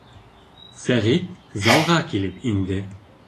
Сәғит залға килеп инде: